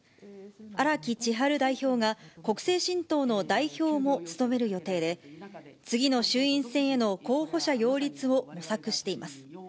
荒木千陽代表が、国政新党の代表も務める予定で、次の衆院選への候補者擁立を模索しています。